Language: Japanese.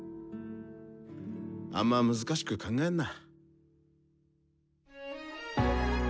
あんま難しく考えんな。